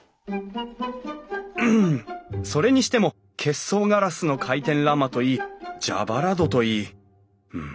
それにしても結霜ガラスの回転欄間といい蛇腹戸といいうん。